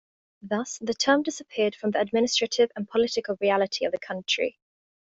Thus, the term disappeared from the administrative and political reality of the country.